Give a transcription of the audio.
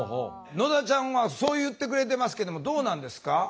野田ちゃんはそう言ってくれてますけどもどうなんですか？